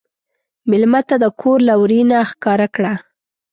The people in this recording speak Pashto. مېلمه ته د کور لورینه ښکاره کړه.